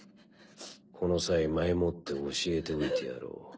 この際前もって教えておいてやろう。